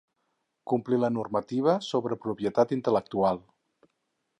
Complir la normativa sobre propietat intel·lectual.